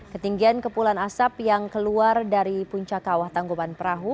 ketinggian kepulan asap yang keluar dari puncak kawah tanggupan perahu